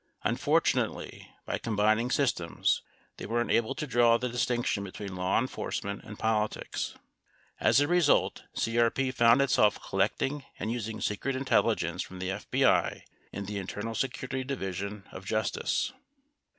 Unfortunately, by combining systems, they weren't able to draw" the distinction between law enforce ment and politics. As a result, CEP found itself collecting and using secret intelligence from the FBI, and the Internal Security Division of Justice.